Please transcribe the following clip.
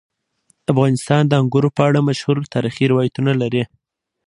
افغانستان د انګورو په اړه مشهور تاریخي روایتونه لري.